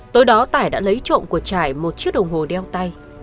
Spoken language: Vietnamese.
tối đó tải đã lấy trộm của trải một chiếc đồng hồ đeo tay